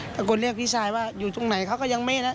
ตะโกนเรียกพี่ชายว่าอยู่ตรงไหนเขาก็ยังไม่นะ